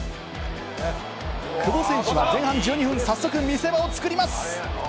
久保選手は前半１２分、早速、見せ場を作ります。